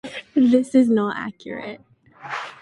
This is not accurate.